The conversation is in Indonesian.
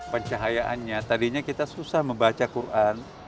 pencahayaannya tadinya kita susah membaca quran